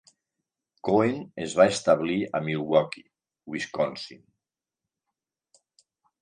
Cohen es va establir a Milwaukee, Wisconsin.